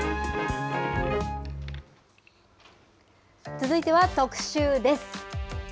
続いては特集です。